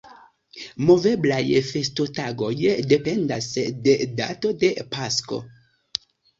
Moveblaj festotagoj dependas de dato de Pasko.